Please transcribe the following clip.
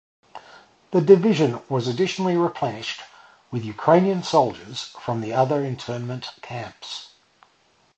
The division was additionally replenished with Ukrainian soldiers from other internment camps.